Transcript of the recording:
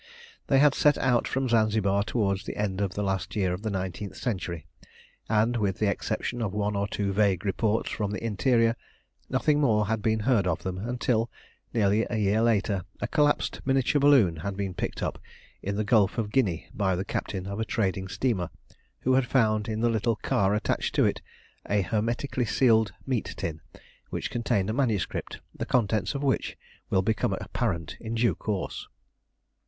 They had set out from Zanzibar towards the end of the last year of the nineteenth century, and, with the exception of one or two vague reports from the interior, nothing more had been heard of them until, nearly a year later, a collapsed miniature balloon had been picked up in the Gulf of Guinea by the captain of a trading steamer, who had found in the little car attached to it a hermetically sealed meat tin, which contained a manuscript, the contents of which will become apparent in due course.